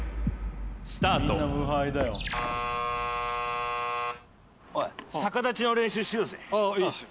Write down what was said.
スタートおい逆立ちの練習しようぜああいいですよ